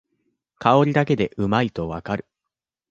香りだけでうまいとわかる